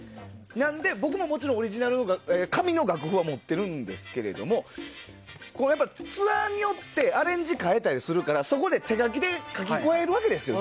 なので、僕もオリジナルの紙の楽譜は持っているんですけどツアーによってアレンジ変えたりするからそこで手書きで書き加えるわけですよ。